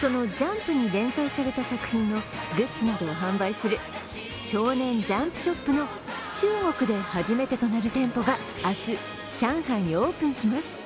その「ジャンプ」に連載された作品のグッズなどを販売するＳＨＯＮＥＮＪＵＭＰＳＨＯＰの中国で初めてとなる店舗が明日、上海にオープンします。